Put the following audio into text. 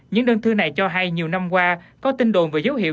những đơn thư này cho hay nhiều năm qua có tin đồn về dấu hiệu